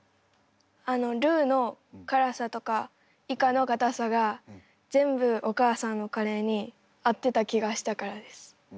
あのルーの辛さとかイカのかたさが全部お母さんのカレーに合ってた気がしたからです。